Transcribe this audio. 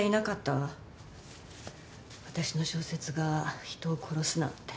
私の小説が人を殺すなんて。